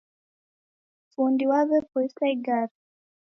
Fundi waw'epoisa igare